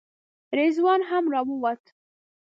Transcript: رضوان هم راووت.